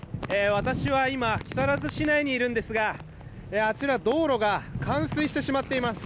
私は今木更津市内にいるんですがあちら道路が冠水してしまっています。